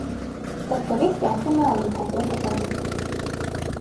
Թռչելիս ճախրում է ալիքաձև հետագծով։